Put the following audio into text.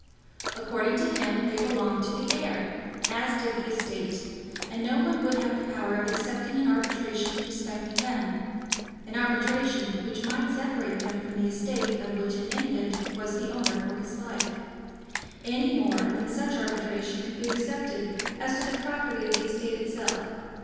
According to him they belonged to the heir, as did the estate; and no one would have the power of accepting an arbitration respecting them, an arbitration which might separate them from the estate of which an infant was the owner for his life, any more than such arbitration could be accepted as to the property of the estate itself.